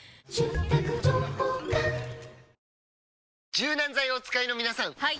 柔軟剤をお使いの皆さんはい！